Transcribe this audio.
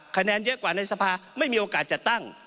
คะแนนเยอะกว่าในสภาไม่มีโอกาสจัดตั้ง